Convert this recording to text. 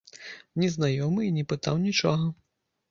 Незнаёмы і не пытаў нічога.